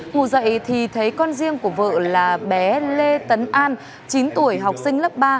ngủ dậy thì thấy con riêng của vợ là bé lê tấn an chín tuổi học sinh lớp ba